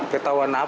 katanya asalnya apa